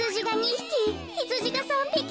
ひつじが３びき。